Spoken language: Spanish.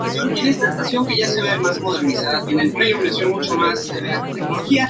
En la religiosidad popular mahāyāna, los bodhisattvas son objeto de gran devoción.